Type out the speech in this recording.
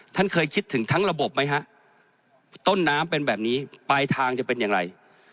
ท่านเคยคิดถึงทั้งระบบไหมฮะต้นน้ำเป็นแบบนี้ปลายทางจะเป็นอย่างไร